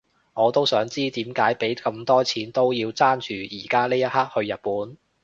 我都想知點解畀咁多錢都要爭住而家呢一刻去日本